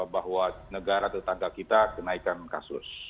bahwa negara tetangga kita kenaikan kasus